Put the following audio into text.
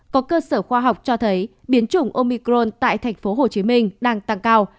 có cơ sở khoa học cho thấy biến chủng omicron tại tp hcm đang tăng cao